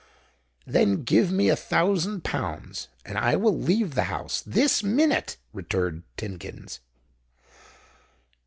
"Then give me a thousand pounds—and I will leave the house this minute," returned Tidkins.